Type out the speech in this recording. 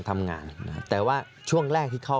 สามารถรู้ได้เลยเหรอคะ